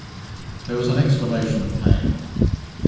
There was an exclamation of pain.